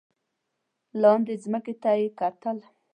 لاندې ځمکې ته یې کتل.